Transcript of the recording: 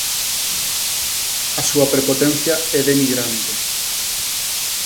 "A súa prepotencia é denigrante".